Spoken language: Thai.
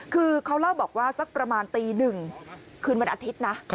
คือเขาเล่าบอกว่าสักประมาณตี๑คืนวันอาทิตย์นะ